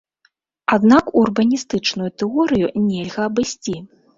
Аднак урбаністычную тэорыю нельга абысці.